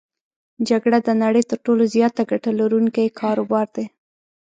جګړه د نړی تر ټولو زیاته ګټه لرونکی کاروبار دی.